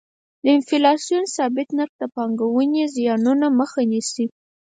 د انفلاسیون ثابت نرخ د پانګونې زیانونو مخه نیسي.